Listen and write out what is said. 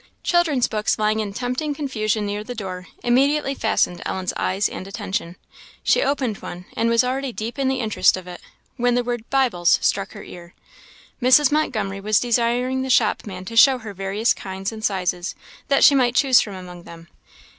Children's books, lying in tempting confusion near the door, immediately fastened Ellen's eyes and attention. She opened one, and was already deep in the interest of it, when the word "Bibles" struck her ear. Mrs. Montgomery was desiring the shopman to show her various kinds and sizes, that she might choose from among them.